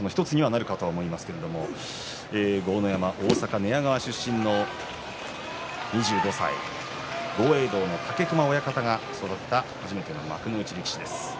硬くなったりする要素の１つにはなると思いますが豪ノ山、大阪寝屋川出身の２５歳豪栄道の武隈親方が育てた初めての幕内力士です。